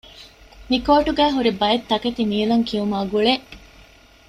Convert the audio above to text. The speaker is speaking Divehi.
މިކޯޓުގައި ހުރި ބައެއްތަކެތި ނީލަންކިޔުމާގުޅޭ